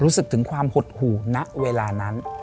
รู้สึกถึงความหดหู่ณเวลานั้น